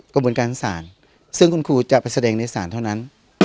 กระบวนการของศาลซึ่งคุณครูจะไปแสดงในศาลเท่านั้น